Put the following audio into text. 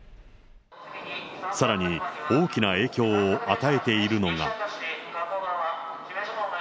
さらに、大きな影響を与えているのが。